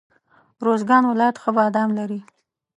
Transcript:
روزګان ولایت ښه بادام لري.